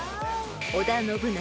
［織田信長